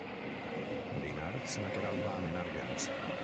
Dimarts na Queralt va a Menàrguens.